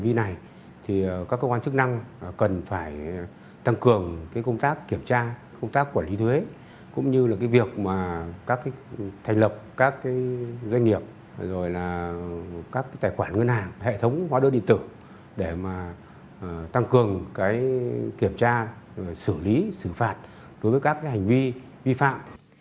và các tài khoản ngân hàng hệ thống hóa đơn điện tử để tăng cường kiểm tra xử lý xử phạt đối với các hành vi vi phạm